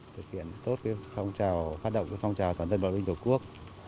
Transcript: thực hiện tốt phong trào phát động phong trào toàn dân bảo vệ tổ quốc